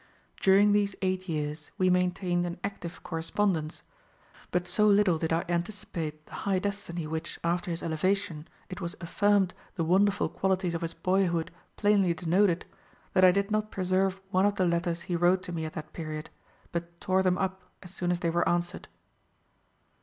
During these eight years we maintained an active correspondence; but so little did I anticipate the high destiny which, after his elevation, it was affirmed the wonderful qualities of his boyhood plainly denoted, that I did not preserve one of the letters he wrote to me at that period, but tore them up as soon as they were answered.